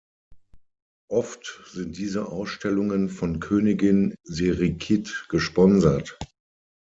Oft sind diese Ausstellungen von Königin Sirikit gesponsert.